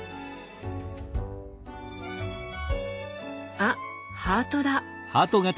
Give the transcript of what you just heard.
あハートだ。